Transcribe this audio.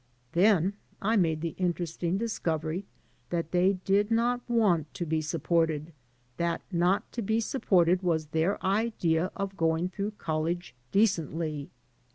Then I made the interesting discovery that they did not want to be supported; that not to be supported was their idea of going through college decently.